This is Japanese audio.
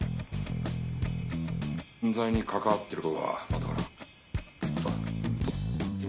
犯罪に関わってるの？